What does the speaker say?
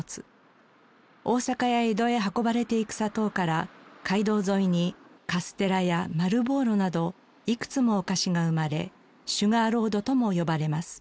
大阪や江戸へ運ばれていく砂糖から街道沿いにカステラや丸ぼうろなどいくつもお菓子が生まれシュガーロードとも呼ばれます。